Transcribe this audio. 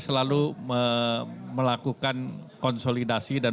selalu melakukan konsolidasi dan